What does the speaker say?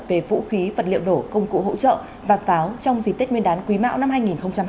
về vũ khí vật liệu đổ công cụ hỗ trợ và pháo trong dịp tết nguyên đán quý mão năm hai nghìn hai mươi ba